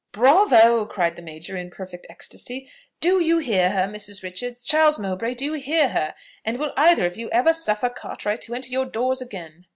"Bravo!" cried the major in a perfect ecstasy; "do you hear her, Mrs. Richards? Charles Mowbray, do you hear her? and will either of you ever suffer Cartwright to enter your doors again?"